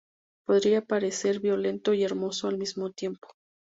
Podría parecer violento y hermoso al mismo tiempo.